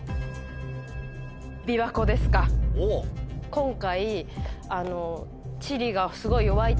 今回。